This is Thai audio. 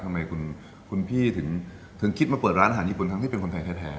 ทำไมคุณพี่ถึงคิดมาเปิดร้านอาหารญี่ปุ่นทั้งที่เป็นคนไทยแท้